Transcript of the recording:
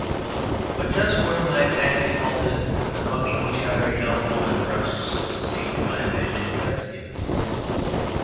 But just where my fancy halted the Buckinghamshire young woman rushed (so to speak) to my imaginative rescue.